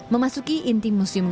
memasuki inti museum kepresidenan